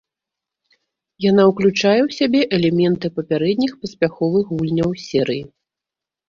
Яна ўключае ў сябе элементы папярэдніх паспяховых гульняў серыі.